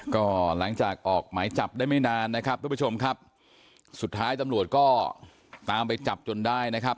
ก็หลังจากออกหมายจับได้ไม่นานนะครับทุกผู้ชมครับสุดท้ายตำรวจก็ตามไปจับจนได้นะครับ